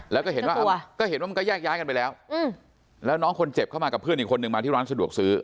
แล้วก็เห็นว่าก็เห็นว่ามันก็แยกย้ายกันไปแล้วแล้วน้องคนเจ็บเข้ามากับเพื่อนอีกคนนึงมาที่ร้านสะดวกซื้อ